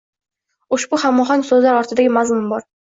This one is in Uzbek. Ushbu hamohang so‘zlar ortidagi mazmun bor.